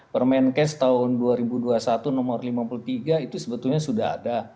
permenkes tahun dua ribu dua puluh satu nomor lima puluh tiga itu sebetulnya sudah ada